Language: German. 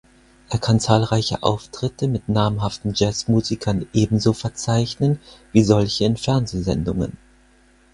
Er kann zahlreiche Auftritte mit namhaften Jazzmusikern ebenso verzeichnen wie solche in Fernsehsendungen.